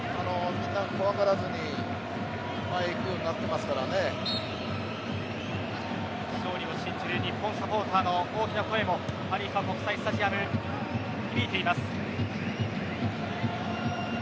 怖がらずに勝利を信じる日本サポーターの大きな声もハリーファ国際スタジアム響いています。